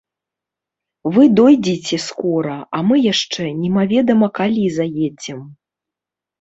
Вы дойдзеце скора, а мы яшчэ немаведама калі заедзем.